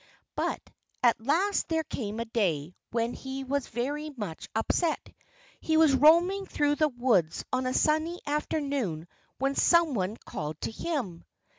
But at last there came a day when he was very much upset. He was roaming through the woods on a sunny afternoon when someone called to him.